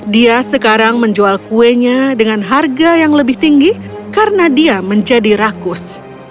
dia sekarang menjual kuenya dengan harga yang lebih tinggi karena dia menjadi rakus